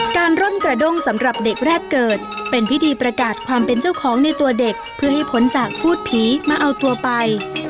ร่อนกระด้งสำหรับเด็กแรกเกิดเป็นพิธีประกาศความเป็นเจ้าของในตัวเด็กเพื่อให้พ้นจากพูดผีมาเอาตัวไป